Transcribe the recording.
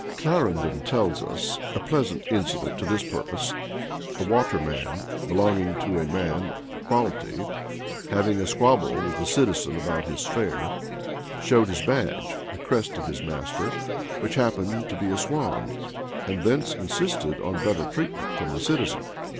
Clarendon[] tells us a pleasant incident to this purpose: a waterman, belonging to a man of quality, having a squabble with a citizen about his fare, showed his badge, the crest of his master, which happened to be a swan; and thence insisted on better treatment from the citizen.